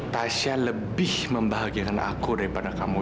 tasya lebih membahagiakan aku daripada kamu